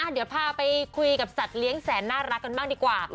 เดี๋ยวพาไปคุยกับสัตว์เลี้ยงแสนน่ารักกันบ้างดีกว่า